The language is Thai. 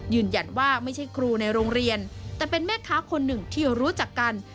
ไม่ใช่ครูในโรงเรียนแต่เป็นแม่ค้าคนหนึ่งที่รู้จักกัน